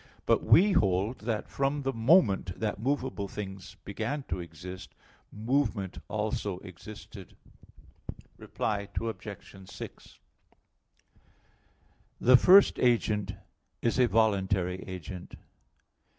But we hold that from the moment that movable things began to exist movement also existed. Reply Obj. 6: The first agent is a voluntary agent.